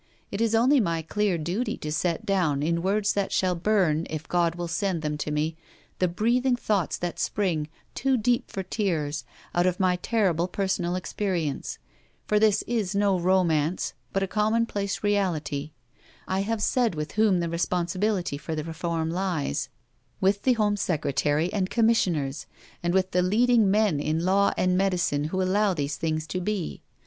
It is only my clear duty to set down, in words that shall burn, if God will send them to me, the breathing thoughts that spring, too deep for tears, out of my terrible personal experience. For this is no romance, but a commonplace reality. I have said with whom the responsibility for the reform lies: with the Home Secretary and Commissioners, and with the leading men in law and medicine who allow these things to be.